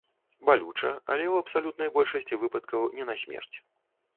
Балюча, але ў абсалютнай большасці выпадкаў не насмерць.